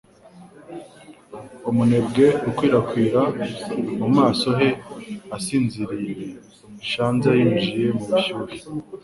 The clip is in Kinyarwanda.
Umunebwe ukwirakwira mu maso he asinziriye Shanza yinjiye mu bushyuhe